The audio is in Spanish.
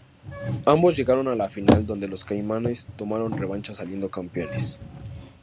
Ambos llegaron a la final donde los Caimanes tomaron revancha saliendo campeones.